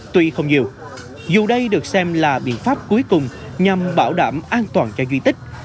tuy không nhiều dù đây được xem là biện pháp cuối cùng nhằm bảo đảm an toàn cho di tích